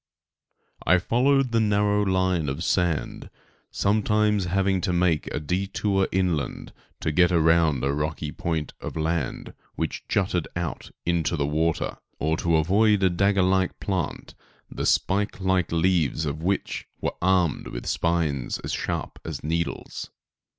* I followed the narrow line of sand, sometimes having to make a detour inland to get around a rocky point of land which jutted out into the water, or to avoid a dagger like plant the spike like leaves of which were armed with spines as sharp as needles.